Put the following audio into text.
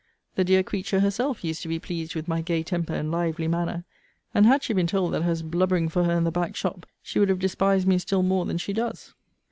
The dear creature herself used to be pleased with my gay temper and lively manner; and had she been told that I was blubbering for her in the back shop, she would have despised me still more than she does.